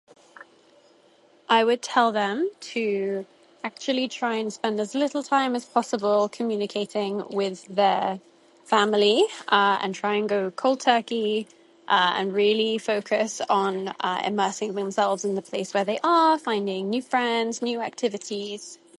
I would tell them to actually try and spend as little time as possible communicating with their family and try and go cold turkey and really focus on immersing themselves in the place where they are, finding new friends, new activities.